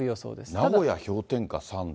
名古屋氷点下３度。